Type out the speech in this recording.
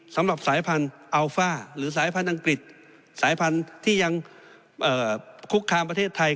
สำหรับสายพันธุ์อัลฟ่าหรือสายพันธุ์อังกฤษสายพันธุ์ที่ยังคุกคามประเทศไทย